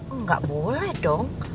engga boleh dong